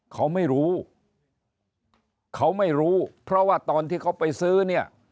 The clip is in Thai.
เขาไม่รู้เขาไม่รู้เพราะว่าตอนที่เขาไปซื้อเนี่ย